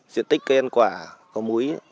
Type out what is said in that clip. diện tích cây ăn quả có muối